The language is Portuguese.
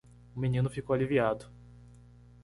O menino ficou aliviado.